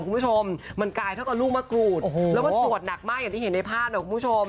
คุณผู้ชมมันกลายถ้าการลุบมากรูดและปวดหนักมากอย่างที่เห็นในภาพ